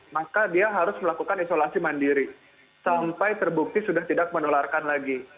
maka dia harus melakukan isolasi mandiri sampai terbukti sudah tidak menularkan lagi